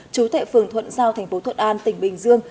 chú thệ phường thuận giao thành phố thuận an tỉnh bình dương